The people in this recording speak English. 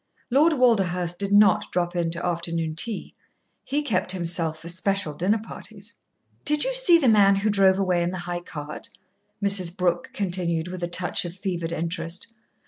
Lord Walderhurst did not drop in to afternoon tea. He kept himself for special dinner parties. "Did you see the man who drove away in the high cart?" Mrs. Brooke continued, with a touch of fevered interest.